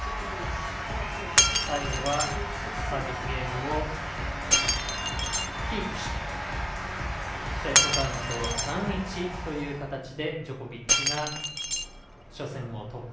最後はサービスゲームをキープしてセットカウント３−１という形でジョコビッチが初戦を突破。